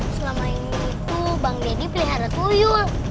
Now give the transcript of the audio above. selama ini tuh bang deddy pelihara tuyul